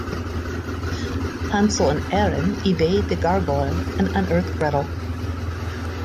Hansel and Ehren evade the gargoyle and unearth Gretl.